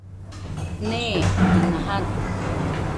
Nee, ana jadɨ